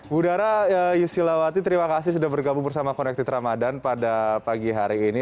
budara yusilawati terima kasih sudah bergabung bersama connected ramadan pada pagi hari ini